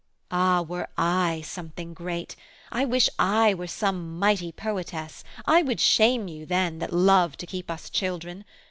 Ah, were I something great! I wish I were Some might poetess, I would shame you then, That love to keep us children!